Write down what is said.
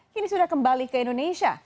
kini sudah kembali ke indonesia